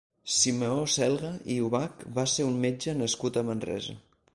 Simeó Selga i Ubach va ser un metge nascut a Manresa.